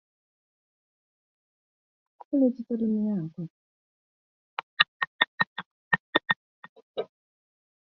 Their front legs had long, curved claws indicating they knuckle-walked like giant anteaters today.